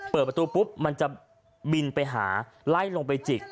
เปิดประตูปุ๊บมันจะบินไปหาไล่ลงไปจิก